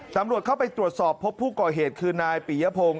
ตำรวจเข้าไปตรวจสอบพบผู้ก่อเหตุคือนายปียพงศ